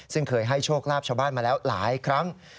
ซึ่งเคยให้โชคลาภชาวบ้านมาแล้วหลายครั้ง